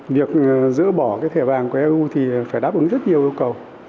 việc giữ bỏ thẻ vàng của eu thì phải đáp ứng rất nhiều yêu cầu